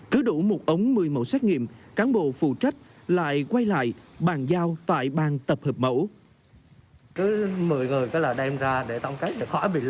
cứ đủ một ống một mươi mẫu xét nghiệm cán bộ phụ trách lại quay lại bàn giao tại bang tập hợp mẫu